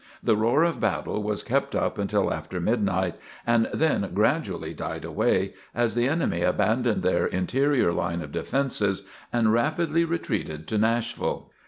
The roar of battle was kept up until after midnight and then gradually died away, as the enemy abandoned their interior line of defences and rapidly retreated to Nashville.